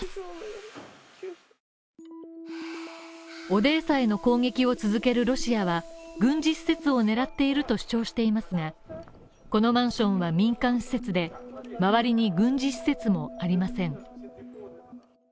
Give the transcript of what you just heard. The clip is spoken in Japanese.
オデーサへの攻撃を続けるロシアは軍事施設を狙っていると主張していますがこのマンションは民間施設で周りに軍事施設もありません。